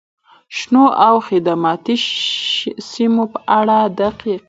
شنو او خدماتي سیمو په اړه دقیق،